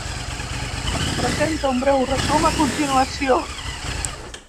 Es presenta un breu resum a continuació.